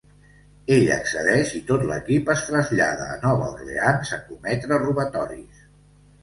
Ell accedeix i tot l'equip es trasllada a Nova Orleans a cometre robatoris.